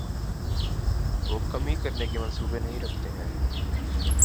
وہ کمی کرنے کے منصوبے نہیں رکھتے ہیں